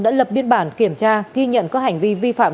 đã lập biên bản kiểm tra khi nhận có hành vi vi phạm